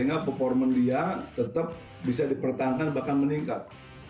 sehingga performa dia tetap bisa dipertahankan bahkan meningkat